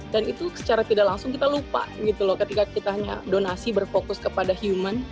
dan itu secara tidak langsung kita lupa gitu loh ketika kita hanya donasi berfokus kepada human